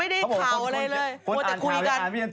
ไม่ได้ข่าวอะไรเลยหมดแต่คุยกัน